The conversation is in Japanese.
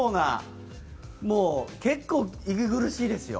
結構、息苦しいですよ。